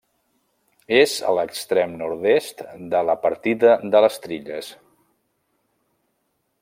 És a l'extrem nord-est de la partida de les Trilles.